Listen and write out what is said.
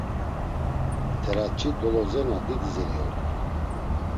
Teraç̌i Dolozena didi zeni ort̆u.